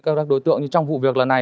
các đối tượng như trong vụ việc lần này